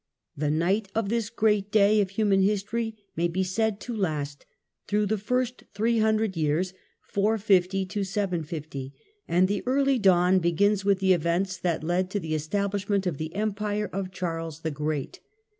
The pight of this great day of human history may be said to last through *^> the first three hundred years (450 750), and the early f dawn begins with the events that lead to the estab ' hshment of the Empire of Charles the Great.